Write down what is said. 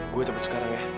gue cepet sekarang ya